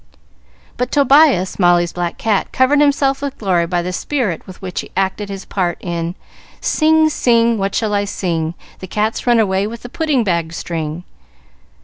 But Tobias, Molly's black cat, covered himself with glory by the spirit with which he acted his part in, "Sing, sing, what shall I sing? The cat's run away with the pudding bag string."